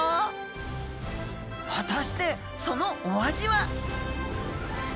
果たしてそのお味は？